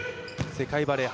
世界バレー